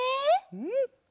うん。